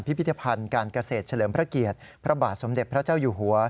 พิพิธภัณฑ์การเกษตรเฉลิมพระเกียรติพระบาทสมเด็จพระเจ้าอยู่หัว